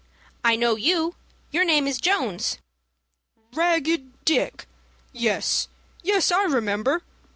I know you. Your name is Jones." "Ragged Dick! Yes, yes, I remember.